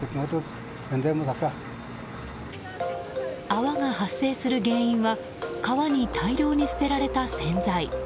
泡が発生する原因は川に大量に捨てられた洗剤。